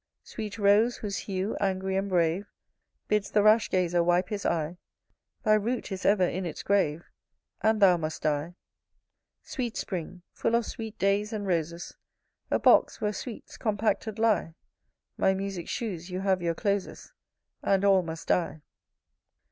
Sweet rose, whose hue, angry and brave, Bids the rash gazer wipe his eye, Thy root is ever in its grave, And thou must die. Sweet spring, full of sweet days and roses, A box where sweets compacted lie; My music shews you have your closes, And all must die.